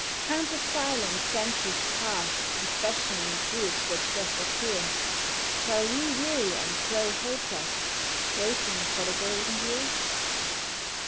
Countless silent centuries passed in fashioning good that doth appear, Shall we weary and grow hopeless, waiting for the Golden Year?